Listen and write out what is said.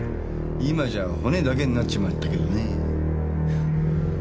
今じゃ骨だけになっちまったけどねぇ。